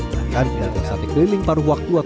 dan di antara sate keliling paru waktu